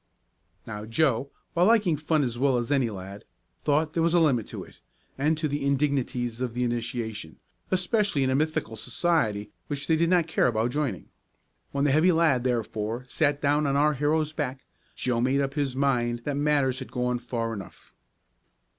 Now Joe, while liking fun as well as any lad, thought there was a limit to it, and to the indignities of the initiation, especially in a mythical society which they did not care about joining. When a heavy lad, therefore, sat down on our hero's back Joe made up his mind that matters had gone far enough.